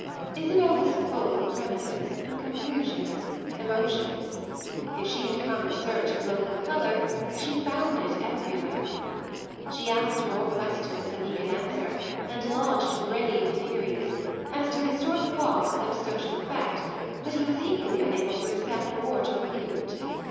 Isabel was full of premises, conclusions, emotions; if she had come in search of local colour she found it everywhere. She asked more questions than he could answer, and launched brave theories, as to historic cause and social effect, that he was equally unable to accept or to refute.